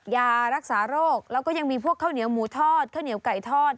ยารักษาโรคแล้วก็ยังมีพวกข้าวเหนียวหมูทอดข้าวเหนียวไก่ทอด